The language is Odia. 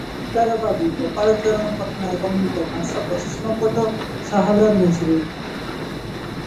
ମୁକ୍ତାର ବାବୁ ଗୋପାଳଚରଣ ପଟ୍ଟନାୟକଙ୍କ ବସା ପଶ୍ଚିମ ପଟ ସାହାଲର ମଝିରେ ।